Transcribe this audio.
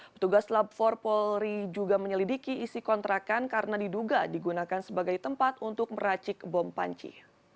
petugas lab empat polri juga menyelidiki isi kontrakan karena diduga digunakan sebagai tempat untuk meracik bom panci